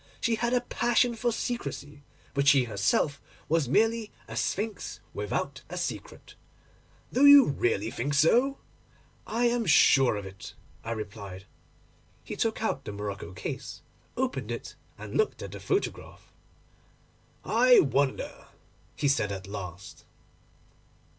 She had a passion for secrecy, but she herself was merely a Sphinx without a secret.' 'Do you really think so?' 'I am sure of it,' I replied. He took out the morocco case, opened it, and looked at the photograph. 'I wonder?' he said at last.